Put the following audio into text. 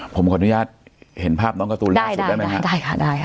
ผมขออนุญาตเห็นภาพน้องการ์ตูนล่าสุดได้ไหมฮะได้ค่ะได้ค่ะ